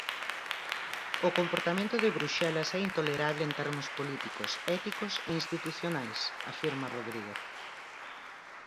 "O comportamento de Bruxelas é intolerable en termos políticos, éticos e institucionais", afirma Rodríguez.